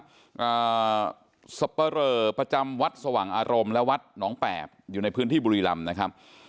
อ่าสับปะเรอประจำวัดสว่างอารมณ์และวัดหนองแปบอยู่ในพื้นที่บุรีรำนะครับ